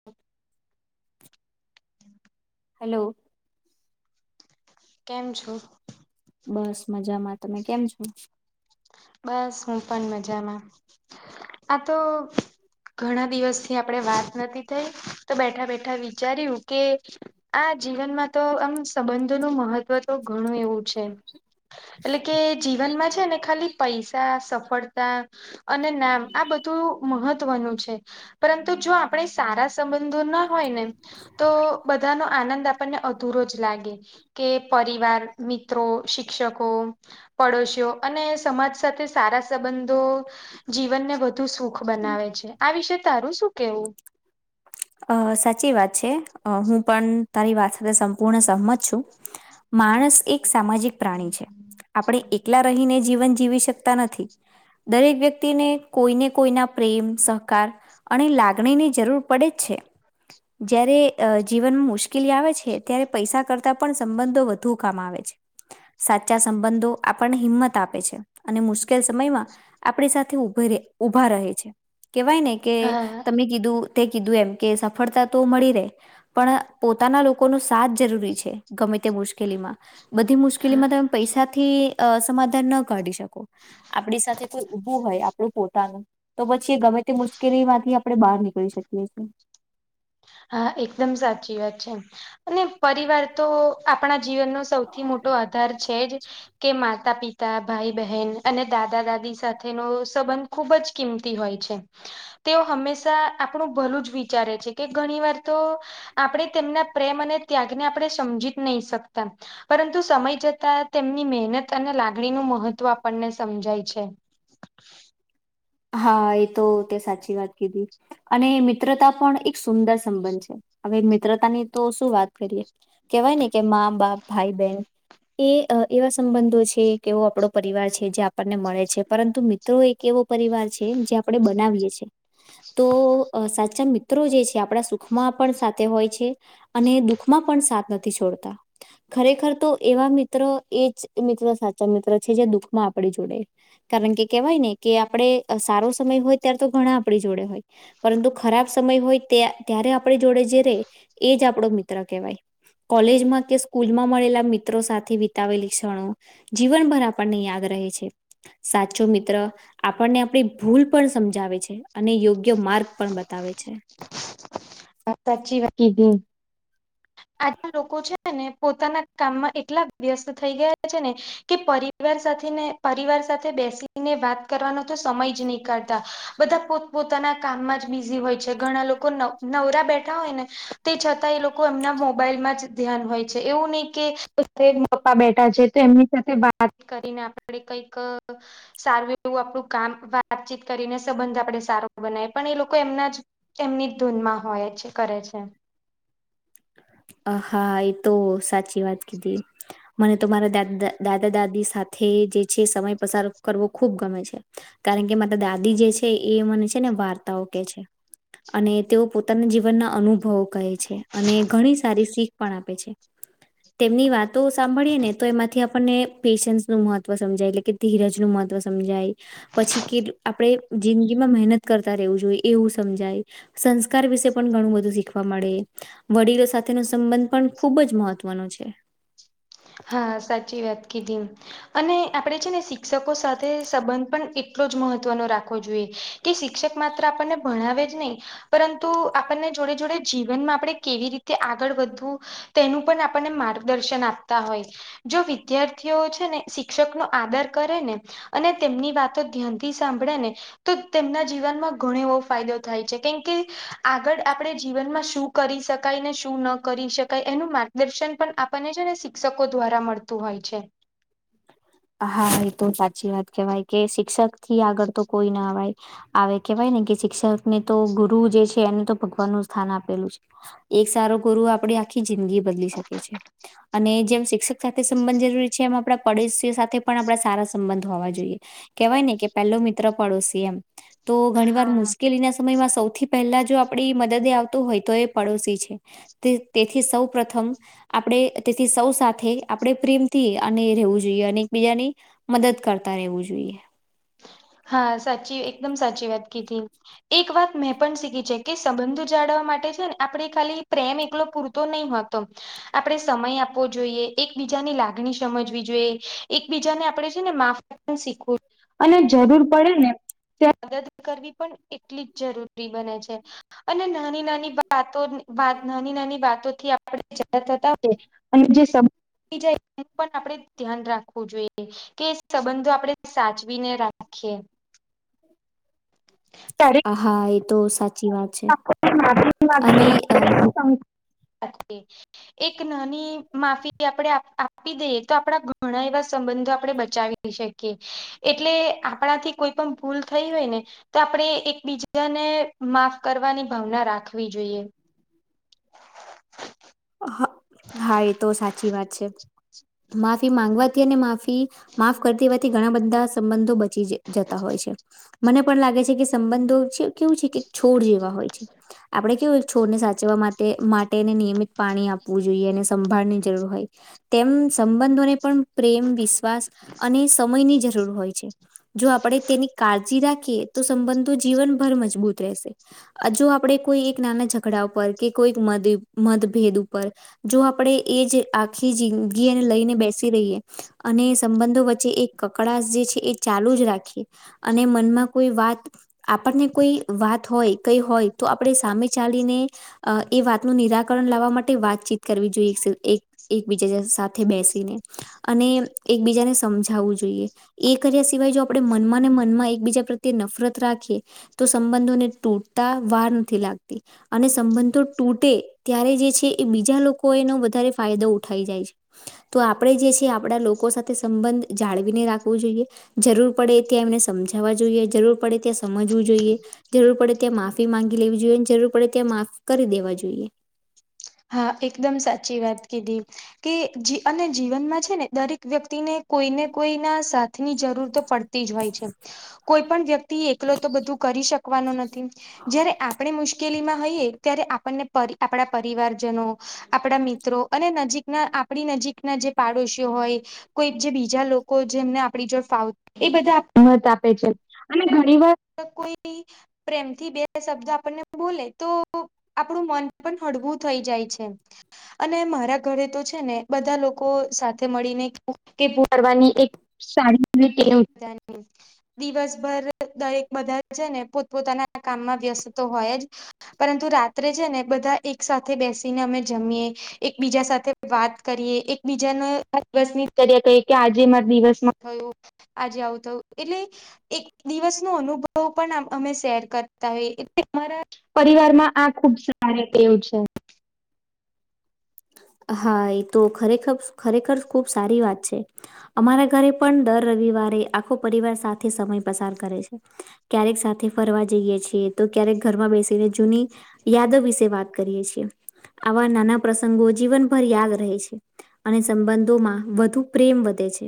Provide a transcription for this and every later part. [inaudible] Hello. કેમ છો. બસ મજામાં તમે કેમ છો. બસ હું પણ મજામાં આ તો ઘણા દિવસથી આપણે વાત નથી થઈ તો બેઠા બેઠા વિચાર્યું કે આ જીવનમાં તો આમ સંબંધોનું મહત્ત્વ તો ઘણું એવું છે. એટલે કે જીવનમાં છે ને ખાલી પૈસા સફળતા અને નામ આ બધું મહત્વનું છે. પરંતુ જો આપણે સારા સંબંધો ના હોય ને. તો બધાનો આનંદ આપણને અધૂરો જ લાગે. કે પરિવાર મિત્રો શિક્ષકો પડોશીઓ અને સમાજ. સાથે સારા સંબંધો. જીવનને વધુ સુખ બનાવે છે આ વિશે તારું શું કેવું. અ સાચી વાત છે હું પણ તારી વાત સાથે સંપૂર્ણ સહમત છું. માણસ એક સામાજિક પ્રાણી છે. આપણે એકલા રહીને જીવન જીવી શકતા નથી. દરેક વ્યક્તિને કોઈને કોઈના પ્રેમ સહકાર અને લાગણી ની જરૂર પડે. છે. જયારે જીવનમાં મુશ્કેલી આવે છે ત્યારે પૈસા કરતાં પણ સંબંધો વધુ કામ આવે છે. સાચા સંબંધો આપણને હિંમત આપે છે અને મુશ્કેલ સમયમાં આપણી સાથે ઉભ રે ઉભા રહે છે. કેવાય ને કે હા તમે કીધું તે કીધું એમ કે સફળતા તો મળી રહેે. પણ પોતાના લોકોનો સાથ જરૂરી છે ગમે તે મુશ્કેલીમાં. બધી હા મુશ્કેલીમાં તમે પૈસાથી સમાધાન ન કાઢી શક કો આપણી સાથે કોઈ ઉભું હોય આપ પણું પોતાનું તો પછી એ ગમે તે મુશ્કેલીમાંથી આપણે બહાર નીકળી શકીએ છીએ. હા એકદમ સાચી વાત છે. અને પરિવાર તો આપણા જીવનનો સૌથી મોટો આધાર છે જ. કે મા માતા પિતા, ભાઈ બહેન અને દાદા દાદી સાથેનો સંબંધ ખુબ જ કિંમતી હોય છે. તેઓ હંમેશા આપણું ભલું જ વિચારે છે કે ઘણી વાર તો આપણે તેમના પ્રેમ અને ત્યાગને આપણે સમજી જ નહી શકતા. પરંતુ સમય જતા તેમની મહેનત અને લાગણીનું મહત્વ આપણને સમજાય છે. હા એ તો તે સાચી વાત કીધી. અને મિત્રતા પણ એક સુંદર સંબંધ છે. હવે મિત્રતા ની તો શું વાત કરીએ. કેવાય ને કે મા, બાપ, ભાઈ, બહેન. એ એવા સંબંધો છે કેવો આપણો પરિવાર છે જે આપણને મળે છે. પરંતુ મિત્રો એક એવો પરિવાર છે જે આપણે બનાવીએ છીએ. તો સાચા મિત્રો જે છે આપણા સુખમાં પણ સાથે હોય છે. અને દુઃખમાં પણ સાથ નથી છોડતા. ખરેખર તો એવા મિત્ર એ જ મિત્ર સાચા મિત્ર છે. જે દુઃખમાં આપણી જોડે કારણ કે કેહેવાય ને કે આપણે સારો સમય હોય ત્યારે તો ઘણા આપણી જોડે હોય. પરંતુ ખરાબ સમય હોય ત્યારે આપણી જોડે જે રે એ જ આપણો મિત્ર કહેવાય. કોલેજમાં કે સ્કૂલમાં મળેલા મિત્રો સાથે વિતાવેલી ક્ષણો. જીવનભર આપણને યાદ રહે છે. સાચો મિત્ર આપણને આપણી ભૂલ પણ સમજાવે છે. અને યોગ્ય માર્ગ પણ બતાવે છે. હા સાચી વાત કીધી. આજના લોકો છે ને પોતાના કામમાં એટલા વ્યસ્ત થઈ ગયા છે ને. કે પરિવાર સાથે ને પરિવાર સાથે બેસીને વાત કરવાનો તો સમય જ નહી કાઢતા. બધા પોત પોતાના કામમાં જ બીઝી હોય છે. ઘણા લોકો નવ નવરા બેઠા હોય ને તે છતાંય એ લોકો એમના મોબાઈલમાં જ ધ્યાન હોય છે. એવું નહીં કે કે પપ્પા બેઠા છે તો એમની સાથે વાત કરીને આપણે કઈક અ સારું એવું આપણું કામ વાતચીત કરીને સંબંધ આપણેે સારો બનાય પણ એ લોકો એમના જ તેમની જ ધૂનમાં હોય છે, કરે છે. અ હા એ તો સાચી વાત કીધી. મને તો મારા દાદા દાદી સાથે જે છે સમય પસાર કરવો ખુબ ગમે છે. કારણ કે મારા દાદી જે છે એ મને છે ને વાર્તાઓ કે છે. અને તેઓ પોતાના જીવનના અનુભવો કહે. છે અને ઘણી સારી શીખ પણ આપે છે. તેમની વાતો સાંભળીએ ને તો એમાંથી આપણને પેશન્સ નું મહત્વ સમજાય એટલે કે ધીરજ નું મહત્વ સમજાય. પછી કે આપણેે જિંદગીમાં મહેનત કરતા રહેવું જોઈએ એવું સમજાય. સંસ્કાર વિશે પણ ઘણું બધું શીખવા મળે. વડીલો સાથ થે નો સંબંધ પણ ખૂબ જ મહત્વનો છે. હા સાચી વાત કીધી. અને આપણેે છે ને શિક્ષકો સાથે સંબંધ પણ એટલો જ મહત્વનો રાખવો જોઈએ. કે શિક્ષક માત્ર આપણને ભણાવે જ નહી. પરંતુ આપણને જોડે જોડે જીવનમાં આપણે કેવી રીતે આગળ વધવું. તેનું પણ આપણને માર્ગદર્શન આપ તા હોય. જો વિદ્યાર્થીઓ છે ને શિક્ષક નો આદર કરે ને અને તેમની વાતો ધ્યાનથી સાંભળે ને તો તેમના જીવનમાં ઘણો એવો ફાયદો થાય છે. કેમ કે આગળ આપણે જીવનમાં શું કરી શકાય ને શું ન કરી શકાય એનું માટે દર્શન પણ આપણને છેને, શિક્ષકો દ્વારા મળતું હોય છે. હા એ તો સાચી વાત કેહેવાય કે શિક્ષક થી આગળ તો કોઈ ના અય આવે કેહેવાય ને કે શિક્ષક ને તો ગુરુ જે છે, એને તો ભગવાન નું સ્થાન આપેલું છે. એક સારો ગુરુ આપડે આ જિંદગી બદલી શકે છે અને જેમ શિક્ષક સાથે સંબંધ જરૂરી છે, એમા પડોશીઓ સાથે પણ આપણે સારા સંબંધ હોવા જોઈએ કેહેવાય ને કે પેલો મિત્ર પડોશી એમ તો ઘણી વાર હા મુશ્કેલી ના સમયમાં સૌથી પહેલા જો આપડી મદદે આવતો હોય તો એ પડોશી છે. તે તેથી સૌ પ્ર્રથમ આપણે તેથી સૌ સાથે આપણે પ્રેમથી અને રહેવું જોઈએ. જોએ અને એકબીજાની મદદ કરતા રહેવુ, જોઈએ. હા સાચી એકદમ સાચી વાત ક હતી એક વાત મેં પણ શીખી છે કે સંબંધ જાળવવા માટે છેને, આપણે ખાલી પ્રેમ એકલો પૂરતો તોું નહી હો ત આપણે સમય આપવો જોઈએ એકબીજાની લાગણી સમજવી જોઈએ એકબીજાને આપણે છેને, માફ ીખ અને જરૂર પડે ને ત્યા મદદ કરવી પણ કેટલી જરૂરી બને છે. અને નાની નાનીતો નાની નાની વાતો થી આપણે જતા હોય. અને જે સ જાય એનું પણ આપણે ધ્યાન રાખવુ જોઈએ, કે સંબંધો આપણે સાચ બીને રાખે તારીખ હા એ તો સાચી વાત છે, અને અી એક નાની માફી આપણે આપી દઈએ તો આપડા ઘણા એવા સંબંધો આપડણે બચાવી શકી એટલે આપણા થી કોઈ પણ ભૂલ થઈ હોય ને તો આપણે એકબીજાને માફ કરવાની ભાવના રાખવી જોઈએ. હ હા એ તો સાચી વાત છે. માફી માંગવાથી અને માફી માફ કરતી હોવાથી ઘણા બધા સંબંધો જતા હોય છે, મને પણ લાગે છે કે સંબંધો છે. કેવું છે કે છોડ જેવા હોય છે, આપડણે કેવુંય છોડને સાચવા માટે માટે નિયમિત પાણી આપવું જોઈએ અને સંભાળની જરૂર હોય, તેમ સંબંધોને પણ પ્રેમ વિશ્વાસ અને સમયની જરૂર હોય છે. જો આપણે તેની કાળજી રાખીએ તો સંબંધો જીવનભર મજબૂત રહેશે હ જો આપડે કોઈ એક નાના ઝઘડા પર કે કોઈ મ મ ભેદ ઉપર જો આપણેે એ જ આખી જિંદગી એને લઈને બેસી રહીએ અને સંબંધો વચ્ચે એક કકડાશ જે છે એ ચાલુ જ રાખીએ અને મનમાં કોઈ વાત આપણને કોઈ વાત હોય કઈ હોય તો આપણે સામે ચાલીને અ એ વાતનું નિરાકર લાવવા માટે વાતચીત કરવી જોઈએ એકબીજા સાથે બેસીને અને એકબીજાને સમજાવવું જોઈએ. એ કર્યા સિવાય જો આપણે મનમાં ને મનમાં એકબીજા પ્રત્યે નફરત રાખીએ તો સંબંધોને તૂટતા વાર નથી લાગતી અને સંબંધો તૂટે ત્યારે જે છે એ બીજા લોકો એનો વધારે ફાયદો ઉઠાઈ જાય છે. તો આપણેે જે છે આપડા લોકો સાથે સંબંધ જાળવીને રાખવું જોઈએ. જરૂર પડે ત્યાં એમને સમજાવવા જોઈએ જરૂર પડે ત્યાં સમજવું જોઈએ. જરૂર પડે ત્યાં માફી માંગી લેવી જોઈએ જરૂર પડે ત્યાં માફી કરી દેવા જોઈએ. હા એકદમ સાચી વાત કીધી કે જી અને જીવનમાં છે ને દરેક વ્યક્તિને કોઈને કોઈના સાથની જરૂર તો પડ તી જ હોય છે કોઈ પણ વ્યક્તિ એકલો તો બધું કરી શક શકવાનો નથી જયારે આપણે મુશ્કેલીમાં હએ ત્યારે આપણને આપણા પરિવાર જનો આપણા મિત્રો અને નજીકના આપણી નજીકના જે પાડોશીઓ હોય. કોઈ જે બીજા લોકો જે એમને આપણી જોડ ફાવ એ બધા મત આપે છે. અને ઘણી વાર કોઈની. પ્રેમથી બે શબ્દ આપણને બોલે તો આપણું મન પણ હળવું થઈ જાય છે અને મારા ઘરે તો છે ને બધા લોકો સાથે મળીને કે પુરવાની એક સાડી એવી ટેવ છે. દિવસભર દરેક બધા છે ને પોતપોતાના કામમાં વ્યસ્ત તો હોય જ. પરંતુ રાત્રે છે ને બધા એક સાથે બેસીને અમે જમીએ. એકબીજા સાથે વાત કરીએ એકબીજાને આ દિવસ ની જ કર્યા કહીએ કે આજે મારા દિવસમાં કયો. આજે આવું થયું એટલે એક દિવસ નો અનુભવ પણ અમે શેર કરતા હોય એટલે અમારા પરિવારમાં આ ખુબ સારી ટેવ છે. હા એ તો ખરેખર ખરેખર ખુબ સારી વાત છે. અમારા ઘરે પણ દર રવિવારે આખો પરિવાર સાથે સમય પસાર કરે છે. ક્યારેક સાથે ફરવા જઈએ છીએ તો ક્યારેક ઘરમાં બેસીને જૂની યાદો વિશે વાત કરીએ છીએ આવા નાના પ્રસંગો જીવનભર યાદ રહે છે અને સંબંધોમાં વધુ પ્રેમ વધે છે.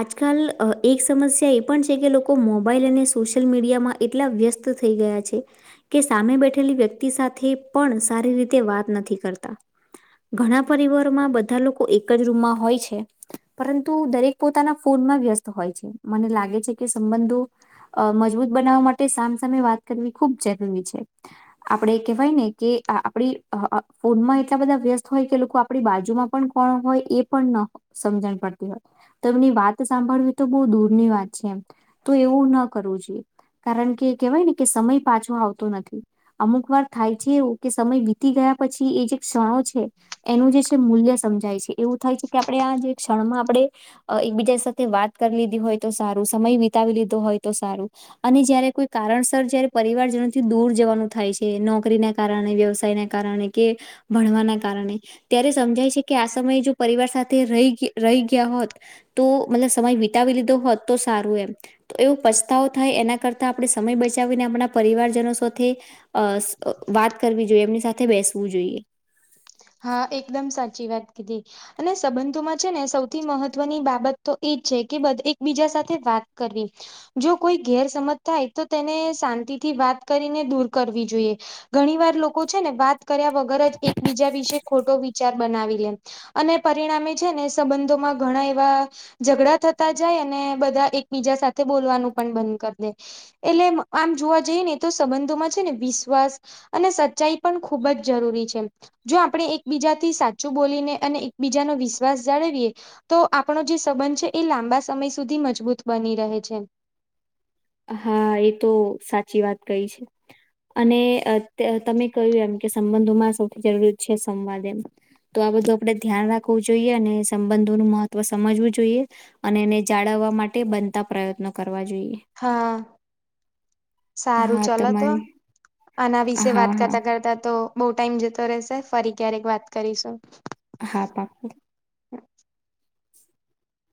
આજકાલ અ એક સમસ્યા એ પણ છે કે લોકો મોબાઈલ અને સોશિયલ મીડિયામાં એટલા વ્યસ્ત થઈ ગયા છે. કે સામે બેઠેલી વ્યક્તિ સાથે પણ સારી રીતે વાત નથી કરતા. ઘણા પરિવારોમાં બધા લોકો એક જ રૂમમાં હોય છે. પરંતુ દરેક પોતાના ફોનમાં વ્યસ્ત હોય છે મને લાગે છે કે સંબંધો અ મજબૂત બનાવવા માટે સામસામે વાત કરવી ખૂબ જરૂરી છે. આપડે કેહેવાય ને કે આપડી અ ફોનમાં એટ એટલા બધા વ્યસ્ત હોય કે લોકો આપણી બાજુમાં પણ કોણ હોય એ પણ ન સમજણ પડતી હોય. તેમની વાત સાંભળવી તો બોહ દૂરની વાત છે એમ તો એવું ના કરવું જોઈએ. કારણ કે કહેવાય ને કે સમય પાછો આવતો નથી. અમુક વાર થાય છે એવું કે સમય વીતી ગયા પછી એ જે ક્ષણો છે એનું જે મૂલ્ય સમજાય છે એવું થાય છે કે આપણે આ જે ક્ષણમાં આપણે એકબીજા સાથે વાત કરી લીધી હોય તો સારું સમય વિતાવી લીધો હોય તો સારું. અને જયારે કોઈ કારણસર જયારે પરિવારજનોથી દૂર જવાનું થાય છે નોકરી ના કારણે, વ્યવસાય ના કારણે. કે ભણવાના કારણે ત્યારે સમજાય છે કે આ સમયે જો પરિવાર સાથે રહી રહી ગયા હોત. તો મતલબ સમય વિતાવી લીધો હોત તો સારું એમ. એવો પછતાવો થાય એના કરતા આપણે સમય બચાવીને આપણા પરિવારજનો સોથે અ સ વાત કરવી જોઈએ એમની સાથે બેસવું જોઈએ. હા એકદમ સાચી વાત કીધી. અને સંબંધોમાં છે ને સૌથી મહત્વની બાબત તો એજ છે કે બધ એકબીજા સાથે વાત કરવી. જો કોઈ ગેરસમજ થાય તો તેને શાંતિથી વાત કરીને દૂર કરવી જોઈએ. ઘણી વાર લોકો છે ને વાત કર્યા વગર જ એકબીજા વિશે ખોટો વિચાર બનાવી લે અને પરિણામે છે ને સંબંધોમાં ઘણા એવા ઝઘડા થતા જાય અને બધા એકબીજા સાથે બોલવાનું પણ બંધ કરી દે. એટલે આમ જોવા જઈએ ને એ તો સંબંધોમાં છે ને વિશ્વાસ અને સચ્ચાઈ પણ ખૂબ જ જરૂરી છે એમ. જો આપણે એકબીજાથી સાચું બોલીને અને એકબીજાનો વિશ્વાસ જાળવીએ. તો આપણો જે સંબંધ છે એ લાંબા સમય સુધી મજબૂત બની રહે છે. હા એ તો સાચી વાત કઈ છે. અને તમે કહ્યું એમ કે સંબંધોમાં સૌથી જરૂરી છે સંવાદ એમ. તો આ બધું આપડે ધ્યાન રાખવું જોઈએ અને સંબંધોનું મહત્વ સમજવું જોઈએ. અને એને જાળવવા માટે બનતા પ્રયત્નો કરવા જોઈએ. હા સારું હા ચલો તો તમારી આના વિશે હા વાત હા કરતા કરતા તો બહુ ટાઈમ જતો રેશે. ફરી ક્યારેક વાત કરીશું. હા પાકું.